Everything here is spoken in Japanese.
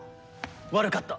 悪かった！